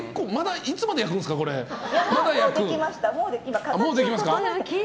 いつまで焼くんですかこれ。